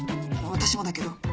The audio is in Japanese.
私もだけど